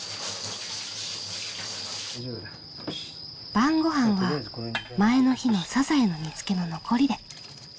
晩ごはんは前の日のサザエの煮つけの残りで。